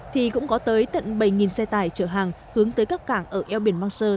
thì cũng có tới tận bảy xe tải chở hàng hướng tới các cảng ở eo biển mancheser